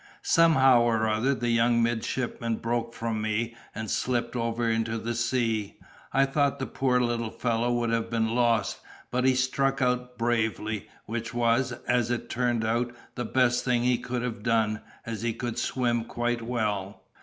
Somehow or other the young midshipman broke from me and slipped over into the sea. I thought the poor little fellow would have been lost, but he struck out bravely, which was, as it turned out, the best thing he could have done, as he could swim well.